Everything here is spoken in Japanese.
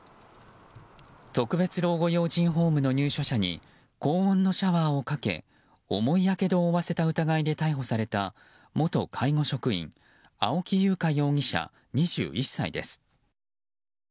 特別養護老人ホームの入所者に高温のシャワーをかけ重いやけどを負わせた疑いで逮捕された元介護職員青木優香容疑者、２１歳です。